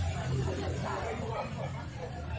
เมื่อเมื่อ